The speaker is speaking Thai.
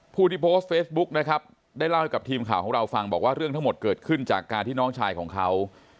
ผู้ที่โพสต์เฟซบุ๊กนะครับได้เล่าให้กับทีมข่าวของเราฟังบอกว่าเรื่องทั้งหมดเกิดขึ้นจากการที่น้องชายของเขา